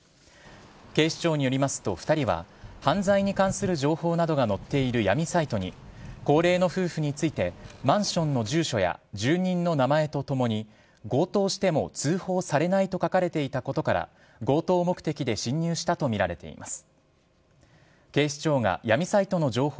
警視庁によりますと、２人は犯罪に関する情報などが載っている闇サイトに、高齢の夫婦について、マンションの住所や住人の名前とともに、強盗しても通報されないと書かれていたことから、強盗目的で侵入したと見られています。